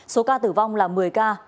số ca tử vong là một mươi ca